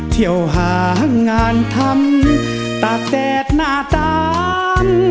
เที่ยวหางานทำตากแดดหน้าตาล